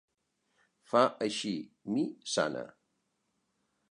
Fa així: «Mi sana.